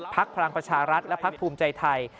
พลังประชารัฐและพักภูมิใจไทย